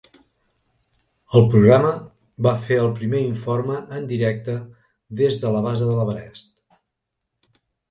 El programa va fer el primer informe en directe des de la base de l'Everest.